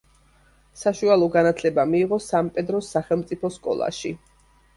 საშუალო განათლება მიიღო სან–პედროს სახელმწიფო სკოლაში.